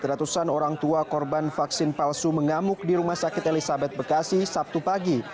ratusan orang tua korban vaksin palsu mengamuk di rumah sakit elisabeth bekasi sabtu pagi